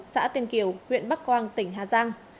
xã tiên kiều huyện bắc quang tỉnh hà giang